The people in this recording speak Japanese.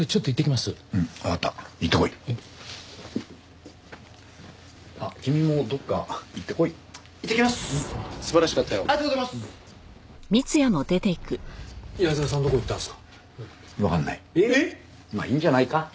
まあいいんじゃないか？